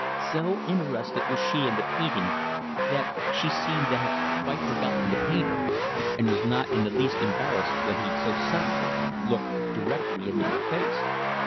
So interested was she in the painting, that she seemed to have quite forgotten the painter, and was not in the least embarrassed when he so suddenly looked directly into her face.